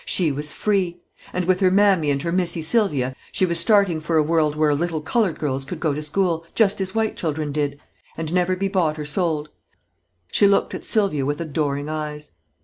She was free. And with her mammy and her Missy Sylvia she was starting for a world where little colored girls could go to school, just as white children did, and never be bought or sold. She looked at Sylvia with adoring eyes.